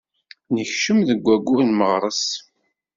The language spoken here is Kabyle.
Nekcem deg waggur n meɣres.